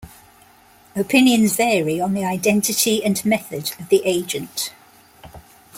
Opinions vary on the identity and method of the agent.